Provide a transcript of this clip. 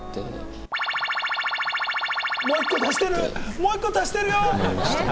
もう１個、足してるよ。